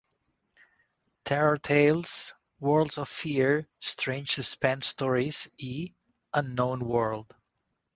Terror Tales", "Worlds of Fear", "Strange Suspense Stories", i "Unknown World".